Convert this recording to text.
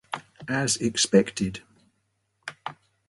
As expected.